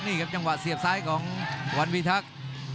นี่ครับจังหวะเสียบซ้ายของวันวิทักษ์